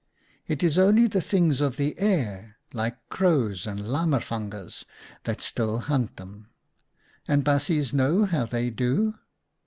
It is only the Things of the Air, like Crows and Lammervangers, that still hunt them, and baasjes know how they do